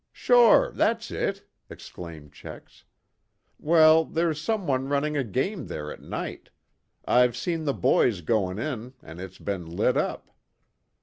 "Sure, that's it," exclaimed Checks. "Well, there's some one running a game there at night. I've seen the boys going in, and it's been lit up.